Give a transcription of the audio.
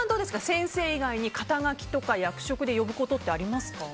先生以外に肩書とか役職で呼ぶことはありますか？